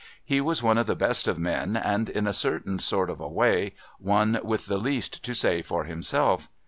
He was one of the best of men, and, in a certain sort of a way, one with the least to say for himself.